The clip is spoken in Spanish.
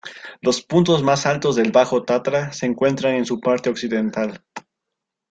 Los puntos más altos del Bajo Tatra se encuentran en su parte occidental.